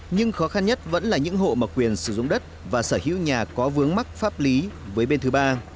nhưng khó khăn nhất vẫn là những hộ mà quyền sử dụng đất và sở hữu nhà có vướng mắc pháp lý với bên thứ ba